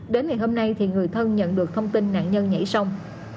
đến ngày hôm nay thì người thân nhận được thông tin nạn nhân nhảy sông